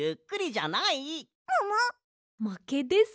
まけですね。